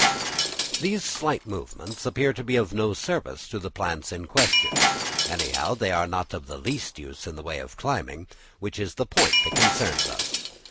These slight movements appear to be of no service to the plants in question; anyhow, they are not of the least use in the way of climbing, which is the point that concerns us.